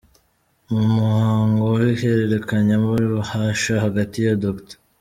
Mu muhango w’ihererekanyabubasha hagati ya Dr.